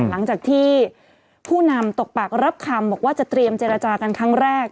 หลังจากที่ผู้นำตกปากรับคำบอกว่าจะเตรียมเจรจากันครั้งแรก